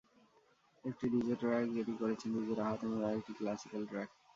একটি DJ track, যেটি করেছেন ডিজে রাহাত এবং আরেকটি ক্লাসিক্যাল ট্র্যাক।